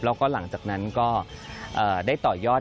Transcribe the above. แล้วก็หลังจากนั้นก็ได้ต่อยอด